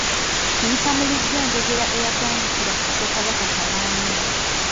Kiyiyta mu luggya njogera eyatandikira ku Ssekabaka Kamaanya.